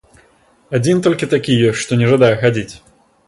Адзін толькі такі ёсць, што не жадае хадзіць.